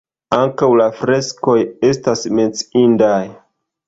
Ankaŭ la freskoj estas menciindaj.